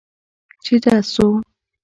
چې ډز سو.